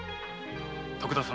徳田様